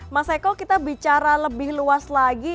mas eko kita bicara lebih luas lagi